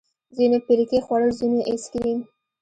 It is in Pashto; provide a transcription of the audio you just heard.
ځينو پيركي خوړل ځينو ايس کريم.